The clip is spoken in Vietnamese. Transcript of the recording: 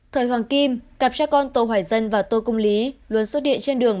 thời hoàng kim cặp cha con tô hoài dân và tô công lý luôn xuất hiện trên đường